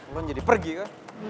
ulan jadi pergi ke